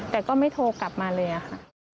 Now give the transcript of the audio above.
แต่ก็ไม่โทรกลับมาเลยค่ะ